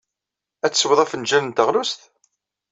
Ad teswed afenjal n teɣlust?